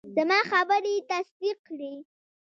زما خبرې یې تصدیق کړې.